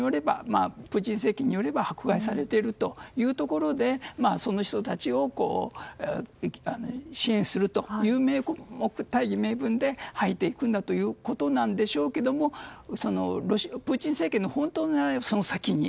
プーチン政権によれば迫害されているというところでその人たちを支援するという大義名分で入っていくんだということなんでしょうけどプーチン政権の本当の狙いはその先に。